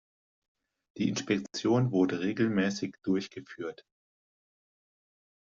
Die Inspektion wurde regelmäßig durchgeführt.